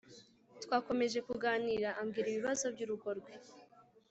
Twakomeje kuganira abwira ibibazo byurugo rwe